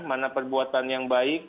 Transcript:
mana perbuatan yang baik